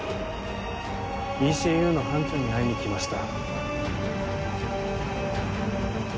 ＥＣＵの班長に会いに来ました。